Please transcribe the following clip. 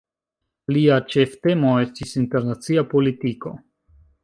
Lia ĉeftemo estis internacia politiko.